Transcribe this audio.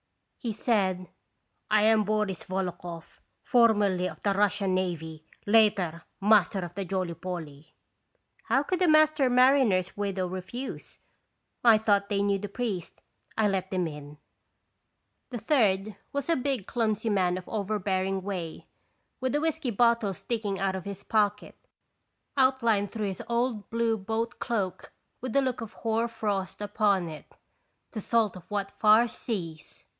He said: "I am Boris Volokhoff, formerly of the Russian navy; later, master of the Jolly Polly." How could a master mariner's widow re fuse? I thought they knew the priest. 1 let them in. 156 Qi racums thoitation. The third was a big, clumsy man of over bearing way, with a whiskey bottle sticking out of his pocket, outlined through his old blue boat cloak with a look of hoar frost upon it, the salt of what far seas!